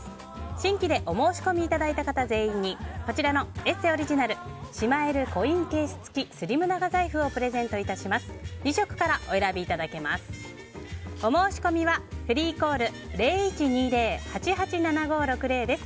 新規でお申し込みいただいた方全員にこちらの「ＥＳＳＥ」オリジナルしまえるコインケース付きスリム長財布をプレゼントいたします。